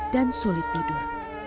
dan sulit tidur